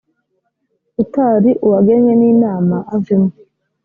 utari uwagenwe n inama avemo.